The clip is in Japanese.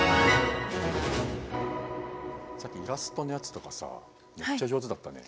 さっきイラストのやつとかさめっちゃ上手だったね。